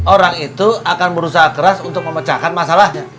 orang itu akan berusaha keras untuk memecahkan masalahnya